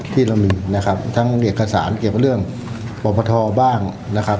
ที่เรามีนะครับทั้งเอกสารเกี่ยวกับเรื่องปรปทบ้างนะครับ